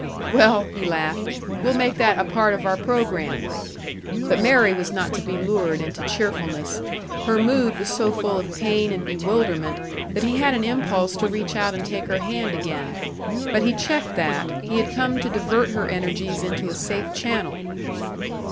"Well," he laughed, "we'll make that a part of our programme." But Mary was not to be lured into cheerfulness; her mood was so full of pain and bewilderment that he had an impulse to reach out and take her hand again. But he checked that; he had come to divert her energies into a safe channel!